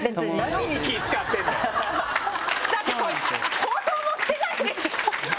だってこれ放送もしてないんでしょ？